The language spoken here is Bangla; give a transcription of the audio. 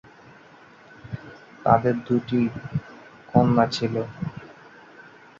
তাঁদের তাঁর দুটি কন্যা ছিল।